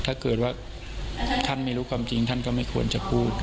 ถ้าเกิดว่าท่านไม่รู้ความจริงท่านก็ไม่ควรจะพูด